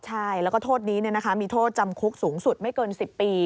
ใช่แล้วก็โทษนี้มีโทษจำคุกสูงสุดไม่เกิน๑๐ปี